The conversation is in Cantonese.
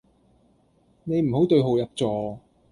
你唔好對號入座